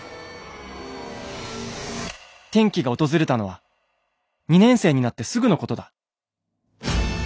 「転機が訪れたのは２年生になってすぐのことだ。